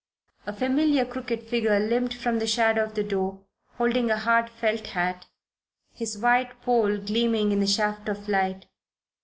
A familiar crooked figure limped from the shadow of the door, holding a hard felt hat, his white poll gleaming in the shaft of light.